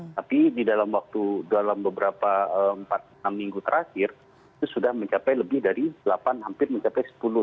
tapi di dalam waktu dalam beberapa enam minggu terakhir itu sudah mencapai lebih dari delapan hampir mencapai sepuluh